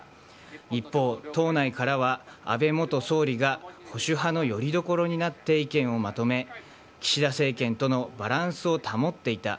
一方、党内からは安倍元総理が保守派のよりどころになって意見をまとめ、岸田政権とのバランスを保っていた。